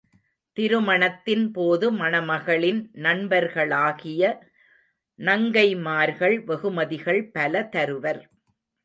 திருமணத்தின் போது மணமகளின் நண்பர்களாகிய நங்கைமார்கள் வெகுமதிகள் பல தருவர்.